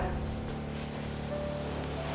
kamu urus abi